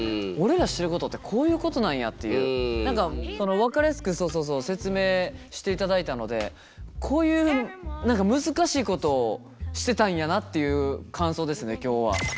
分かりやすくそうそうそう説明していただいたのでこういう何か難しいことをしてたんやなっていう感想ですね今日は。